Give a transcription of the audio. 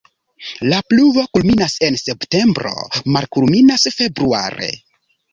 La pluvo kulminas en septembro, malkulminas februare.